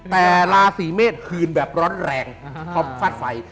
แต่ราศีเมษคืนแบบร้อนแรงเพราะฟาดไฟ